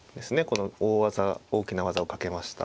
この大技大きな技をかけました。